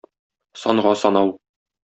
Санга санау